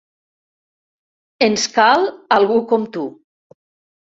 Ens cal algú com tu.